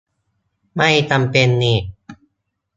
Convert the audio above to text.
ไม่จำเป็นนิ